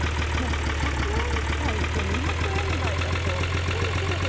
１００円台と２００円台だと手に取る時